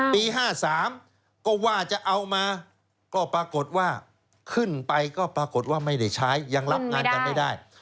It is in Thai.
ปี๕๓ก็ว่าจะเอามาก็ปรากฏว่าขึ้นไปก็ปรากฏว่าไม่ได้ใช้ยังรับงานกันไม่ได้